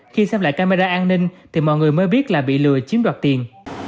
khi xem lại camera an ninh thì mọi người mới biết là bị lừa chiếm đoạt tiền